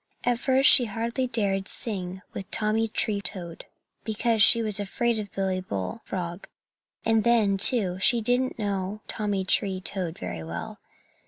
At first she hardly dared sing with Tommy Tree Toad, because she was afraid of Billy Bull Frog, and then, too, she didn't know Tommy Tree Toad very well.